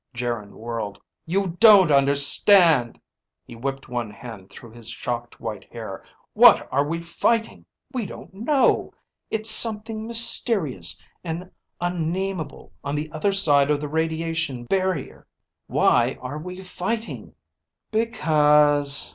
Geryn whirled. "You don't understand!" He whipped one hand through his shocked white hair. "What are we fighting? We don't know. It's something mysterious and unnamable on the other side of the radiation barrier. Why are we fighting?" "Because